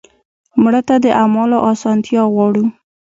مړه ته د اعمالو اسانتیا غواړو